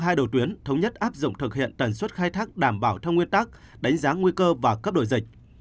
hai đầu tuyến thống nhất áp dụng thực hiện tần suất khai thác đảm bảo theo nguyên tắc đánh giá nguy cơ và cấp đổi dịch